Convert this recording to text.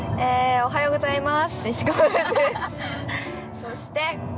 おはようございます。